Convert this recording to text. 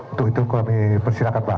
untuk itu kami persilahkan pak